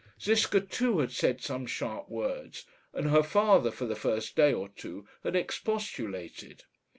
Ziska, too, had said some sharp words; and her father, for the first day or two, had expostulated.